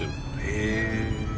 へえ。